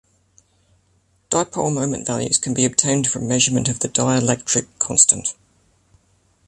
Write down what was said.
Dipole moment values can be obtained from measurement of the dielectric constant.